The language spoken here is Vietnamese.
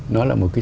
nó là một cái